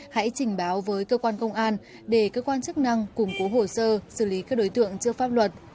hãy trình báo với cơ quan công an để cơ quan chức năng củng cố hồ sơ xử lý các đối tượng trước pháp luật